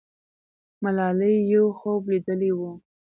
ملالۍ یو خوب لیدلی وو.